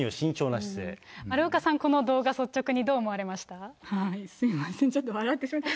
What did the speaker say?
丸岡さん、この動画、すみません、ちょっと笑ってしまって。